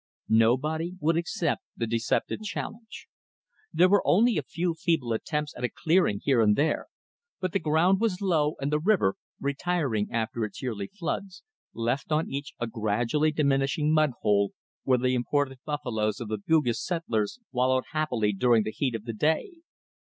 Nobody would accept the deceptive challenge. There were only a few feeble attempts at a clearing here and there, but the ground was low and the river, retiring after its yearly floods, left on each a gradually diminishing mudhole, where the imported buffaloes of the Bugis settlers wallowed happily during the heat of the day.